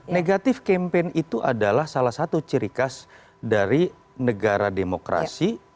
negatif campaign itu adalah salah satu ciri khas dari negara demokrasi